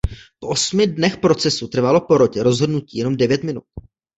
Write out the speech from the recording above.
Po osmi dnech procesu trvalo porotě rozhodnutí jenom devět minut.